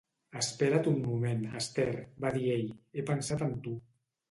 "Espera't un moment, Esther", va dir ell, "he pensat en tu".